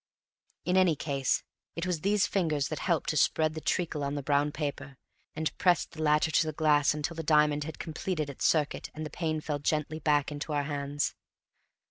In any case it was these fingers that helped to spread the treacle on the brown paper, and pressed the latter to the glass until the diamond had completed its circuit and the pane fell gently back into our hands.